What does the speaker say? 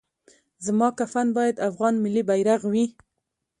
زما کفن باید افغان ملي بیرغ وي